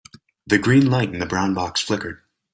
The green light in the brown box flickered.